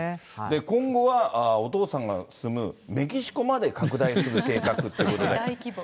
今後はお父さんが住むメキシコまで拡大する計画っていうことで。